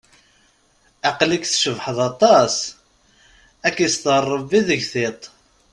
Aql-ik tcebḥeḍ aṭas, ad k-ister rebbi seg tiṭ.